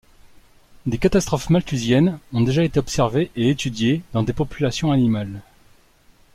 Des catastrophes malthusiennes ont déjà été observées et étudiées dans des populations animales.